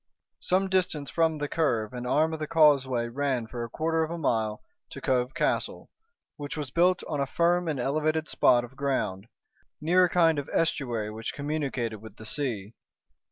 Some distance from the curve an arm of the causeway ran for a quarter of a mile to Cove Castle, which was built on a firm and elevated spot of ground, near a kind of estuary which communicated with the sea.